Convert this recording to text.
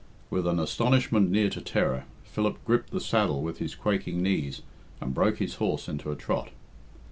With an astonishment near to terror, Philip gripped the saddle with his quaking knees, and broke his horse into a trot.